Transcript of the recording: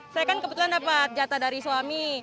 saya kan kebetulan dapat jatah dari suami